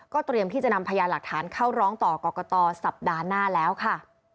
เตรียมที่จะนำพยานหลักฐานเข้าร้องต่อกรกตสัปดาห์หน้าแล้วค่ะ